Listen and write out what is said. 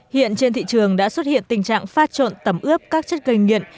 hiện trên thị trường đã xuất hiện tình trạng phát trộn tẩm ướp các chất gây nghiện